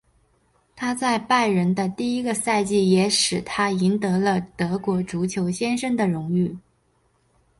他在拜仁的第一个赛季也使他赢得了德国足球先生的荣誉。